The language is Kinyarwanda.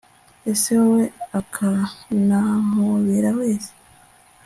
ese wowe akanampobera wese